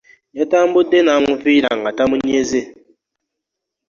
Yatambudde namuvira nga tamunyeze.